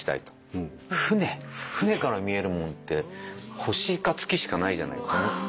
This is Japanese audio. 船から見えるもんって星か月しかないじゃないと思って。